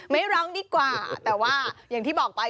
ไม่ร้องดีกว่าแต่ว่าอย่างที่บอกไป